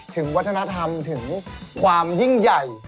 ถึงวัฒนธรรมถึงความยิ่งใหญ่